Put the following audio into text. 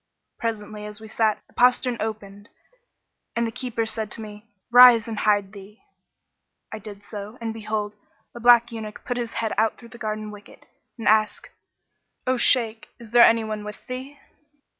Presently, as we sat, the postern opened and the keeper said to me, 'Rise and hide thee.' I did so; and behold, a black eunuch put his head out through the garden wicket and asked, 'O Shaykh, there any one with thee?'